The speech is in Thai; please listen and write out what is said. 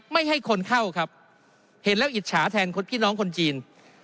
ไม่ให้คนเข้าครับเห็นแล้วอิจฉาแทนพี่น้องคนจีน